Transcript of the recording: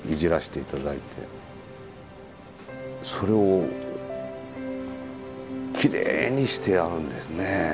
それをきれいにしてあるんですね。